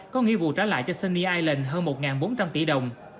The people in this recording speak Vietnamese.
có nghi vụ trả lại cho sunny island hơn một bốn trăm linh tỷ đồng